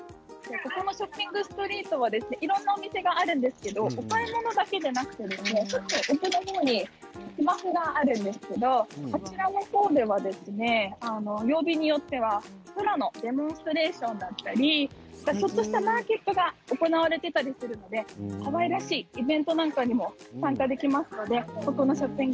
カラカウアショッピングストリートはいろいろなお店があるんですけれどもお買い物だけではなくてこちらの方に芝生があるんですけれども曜日によってはフラのデモンストレーションだったりちょっとしたマーケットが行われていたりするのでハワイらしいイベントなんかにも参加できますのでこちらショッピング